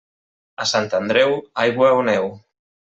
A Sant Andreu, aigua o neu.